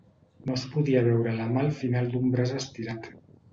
No es podia veure la mà al final d'un braç estirat.